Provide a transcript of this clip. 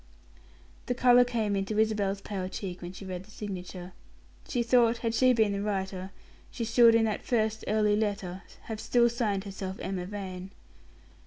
The color came into Isabel's pale cheek when she read the signature. She thought, had she been the writer, she should, in that first, early letter, have still signed herself Emma Vane.